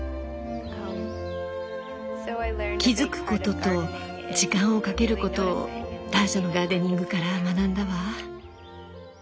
「気付くこと」と「時間をかけること」をターシャのガーデニングから学んだわ。